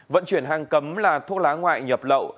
vận chuyển hàng cấm là thuốc lá ngoại nhập lậu